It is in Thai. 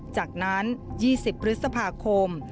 จากนั้น๒๐พฤษภาคม